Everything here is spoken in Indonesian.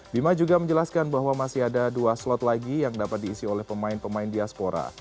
bima juga menjelaskan bahwa masih ada dua slot lagi yang dapat diisi oleh pemain pemain diaspora